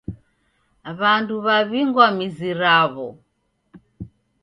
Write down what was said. W'andu w'ew'ingwa mizi raw'o.